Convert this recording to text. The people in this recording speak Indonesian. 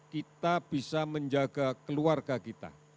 kita bisa menjaga keluarga kita